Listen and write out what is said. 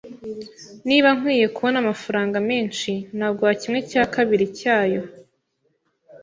Niba nkwiye kubona amafaranga menshi, naguha kimwe cya kabiri cyayo.